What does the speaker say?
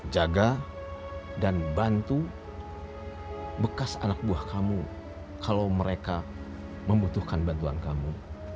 jaga dan bantu bekas anak buah kamu kalau mereka membutuhkan bantuan kamu